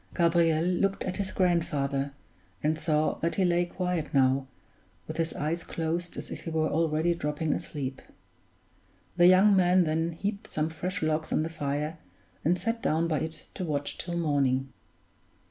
Gabriel looked at his grandfather, and saw that he lay quiet now, with his eyes closed as if he were already dropping asleep. The young man then heaped some fresh logs on the fire, and sat down by it to watch till morning.